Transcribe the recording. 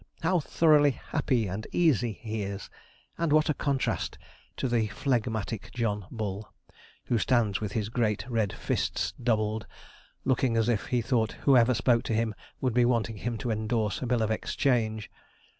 How thoroughly happy and easy he is; and what a contrast to phlegmatic John Bull, who stands with his great red fists doubled, looking as if he thought whoever spoke to him would be wanting him to endorse a bill of exchange!